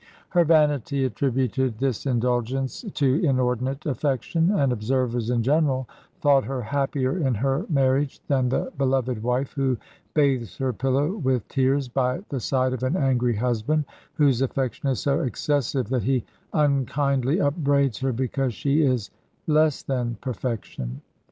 Her vanity attributed this indulgence to inordinate affection; and observers in general thought her happier in her marriage than the beloved wife who bathes her pillow with tears by the side of an angry husband, whose affection is so excessive that he unkindly upbraids her because she is less than perfection.